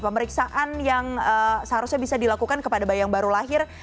pemeriksaan yang seharusnya bisa dilakukan kepada bayi yang baru lahir